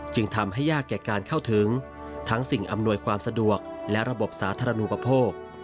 จึงทำให้ยากแก่การเข้าถึงทั้งสิ่งอำนวยความสะดวกและระบบสาธารณูปโภค